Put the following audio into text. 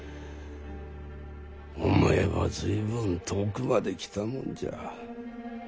思えば随分遠くまで来たもんじゃ。